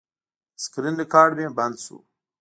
د سکرین ریکارډ مې بند شو.